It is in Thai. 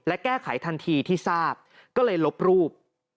และแก้ไขทันทีที่ทราบก็เลยลบรูป